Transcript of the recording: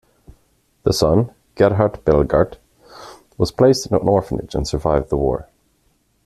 The son, Gerhard Belgardt, was placed in an orphanage and survived the war.